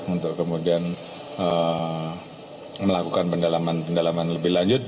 untuk kemudian melakukan pendalaman pendalaman lebih lanjut